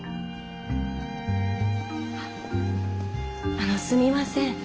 あのすみません。